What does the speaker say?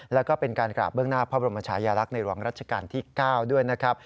แล้วก็เป็นการกราบเบื้องหน้าพระบรมชายาลักษณ์ในหลวงรัชกาลที่๙ด้วยนะครับ